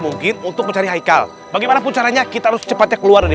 mungkin untuk mencari haikal bagaimanapun caranya kita harus secepatnya keluar nih